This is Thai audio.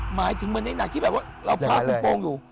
หมายถึงเหมือนในหนังที่แบบว่าเราผ้าคุมโปรงอยู่